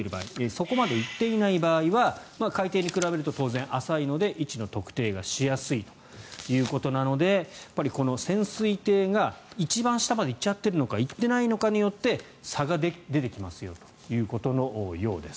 そこまで行っていない場合は海底に比べると当然、浅いので位置の特定がしやすいということなのでこの潜水艇が一番下まで行っちゃっているのか行っていないのかによって差が出てきますよということのようです。